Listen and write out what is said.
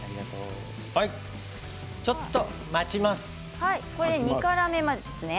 ちょっと待ちます。